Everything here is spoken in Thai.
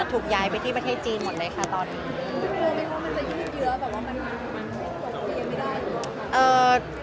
ถูกย้ายไปที่ประเทศจีนหมดเลยค่ะตอนนี้